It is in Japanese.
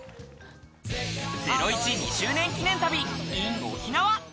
『ゼロイチ』２周年記念旅イン沖縄。